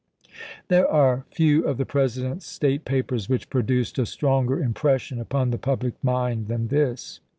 There are few of the President's state papers which produced a stronger impression upon the public mind than this.